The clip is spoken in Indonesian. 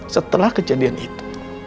setelah kejadian itu